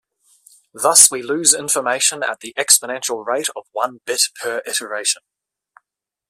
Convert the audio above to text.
Thus we lose information at the exponential rate of one bit per iteration.